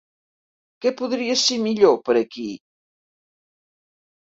Què podria ser millor per aquí?